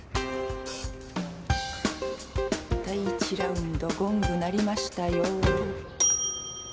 第１ラウンドゴング鳴りましたよ。